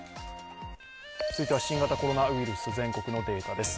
続いては新型コロナウイルス、全国のデータです。